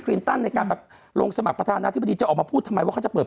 ลินตันในการลงสมัครประธานาธิบดีจะออกมาพูดทำไมว่าเขาจะเปิด